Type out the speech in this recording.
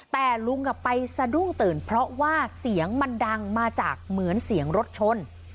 แต่ลุงไปสะดุ้งตื่นเพราะว่าเสียงมันดังมาจากเหมือนเสียงรถชน